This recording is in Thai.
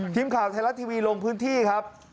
ทีมข่าวไทยรัฐทีวีลงพื้นที่ครับ